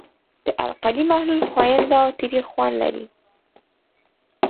د القلي محلول ښوینده او تریخ خوند لري.